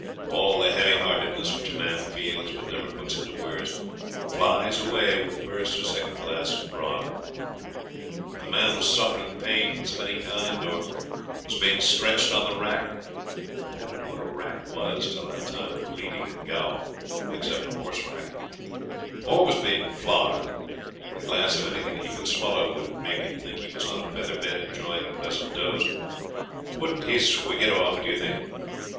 All the heavy heartedness which a man feels, but never puts into words, flies away with the first or second glass of grog. If a man was suffering pains of any kind, or was being stretched on the rack (I never knew what a rack was till I'd time for reading in gaol, except a horse rack), or was being flogged, and a glass of anything he could swallow would make him think he was on a feather bed enjoying a pleasant doze, wouldn't he swig it off, do you think?